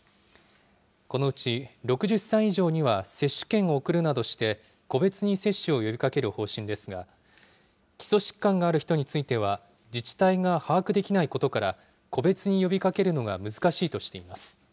このうち、６０歳以上には接種券を送るなどして個別に接種を呼びかける方針ですが、基礎疾患がある人については自治体が把握できないことから、個別に呼びかけるのが難しいとしています。